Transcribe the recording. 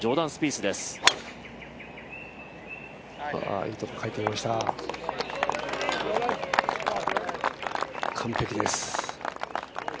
いいところ、入ってきました、完璧です。